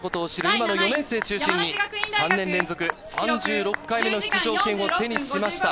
今の４年生を中心に３年連続３６回目の出場権を手にしました。